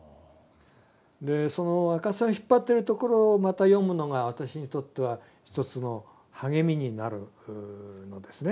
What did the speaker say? でその赤線を引っ張ってるところをまた読むのが私にとっては一つの励みになるのですね。